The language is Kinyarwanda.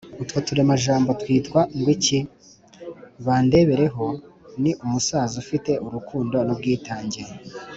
utwo turemajambo twitwa ngo iki? bandebereho ni umusaza ufite urukundo n’ubwitange.